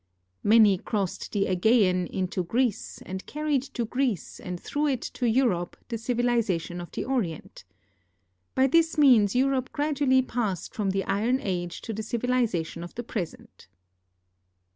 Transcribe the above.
Many crossed the ^Egean into Greece and carried to Greece and through it to Europe the civilization of the Orient. By this means Europe gradually passed from the Iron Age to the civilization of the present.